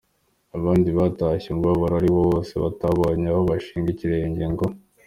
abandi batashye umubabaro ari wose kuko batabonye aho bashinga ikirenge ngo.